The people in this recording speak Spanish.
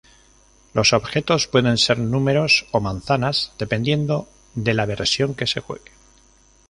Los objetos pueden ser números o manzanas dependiendo de la versión que se juegue.